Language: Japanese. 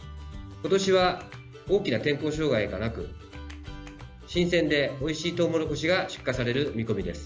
今年は大きな天候障害がなく新鮮でおいしいトウモロコシが出荷される見込みです。